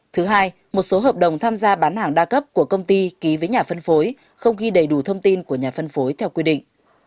thứ hai một số hợp đồng tham gia bán hàng đa cấp của công ty ký với nhà phân phối không ghi đầy đủ thông tin của nhà phân phối theo quy định